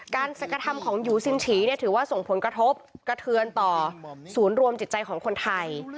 การกระทำของหยูซินฉีเนี่ยถือว่าส่งผลกระทบกระเทือนต่อศูนย์รวมจิตใจของคนไทย